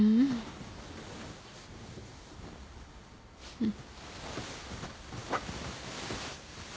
うん。